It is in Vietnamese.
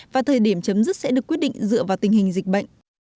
và thời điểm chấm dứt sẽ được quyết định dựa vào tình hình dịch bệnh